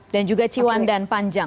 dan juga ciwandan panjang